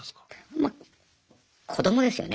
まあ子どもですよね。